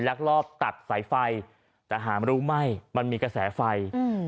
ลักลอบตัดสายไฟแต่หารู้ไหมมันมีกระแสไฟอืม